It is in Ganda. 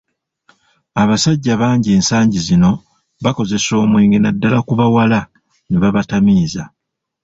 Abasajja bangi ensangi zino bakozesa omwenge naddala ku bawala ne babatamiiza.